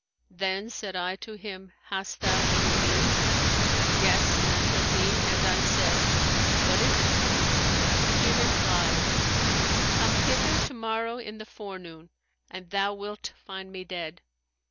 Then said I to him, Hast thou any need?' Yes,' answered he; and I said, What is it?' He replied, Come hither to morrow in the forenoon and thou wilt find me dead.